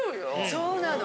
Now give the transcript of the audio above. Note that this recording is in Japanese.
そうなの。